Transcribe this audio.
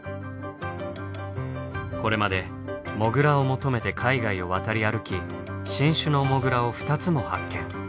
これまでモグラを求めて海外を渡り歩き新種のモグラを２つも発見。